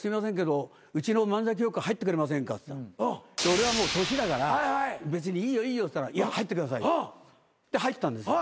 俺はもう年だから「別にいいよいいよ」っつったら「いや入ってください」で入ったんです。